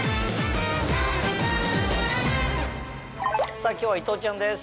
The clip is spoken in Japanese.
さぁ今日は伊藤ちゃんです。